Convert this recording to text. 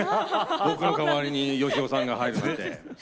僕の代わりに芳雄さんが入るなんて。